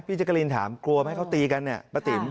แจ๊กรีนถามกลัวไหมเขาตีกันเนี่ยป้าติ๋ม